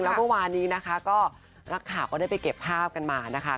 แล้วเมื่อวานนี้นะคะก็นักข่าวก็ได้ไปเก็บภาพกันมานะคะ